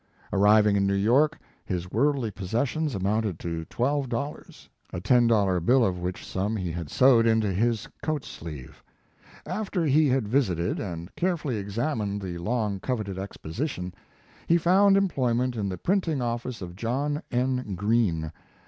Arriving in New York his worldly possessions amounted to twelve dollars, a ten dollar bill of which sum he had sewed into his coat sleeve. After he had visited and carefully examined the long coveted exposition, he found em ployment in the printing office of John N. Green.